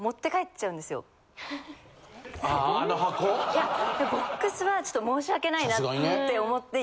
いやボックスはちょっと申し訳ないなって思って。